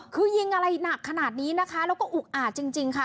คือยิงอะไรหนักขนาดนี้นะคะแล้วก็อุกอาจจริงค่ะ